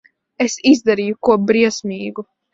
Es izdarīju ko briesmīgu.